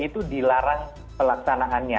itu dilaras pelaksanaannya